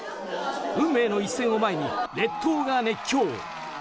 運命の一戦を前に列島が熱狂。